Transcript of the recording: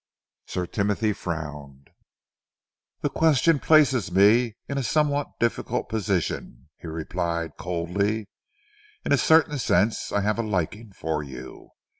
Sir Timothy frowned. "The question places me in a somewhat difficult position," he replied coldly. "In a certain sense I have a liking for you.